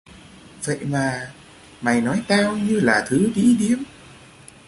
vậy mà mày nói tao như là thứ đĩ điếm